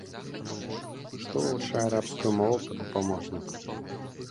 Што вывучае арабскую мову па дапаможніку.